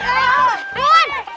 aduh aduh aduh aduh